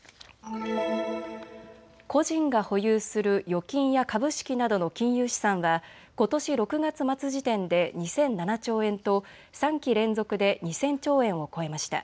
個人が保有する預金や株式などの金融資産はことし６月末時点で２００７兆円と３期連続で２０００兆円を超えました。